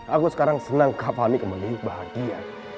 aku sekarang senang kak fani kembali bahagia